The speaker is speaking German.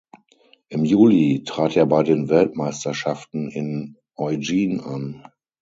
Im Juli trat er bei den Weltmeisterschaften in Eugene an.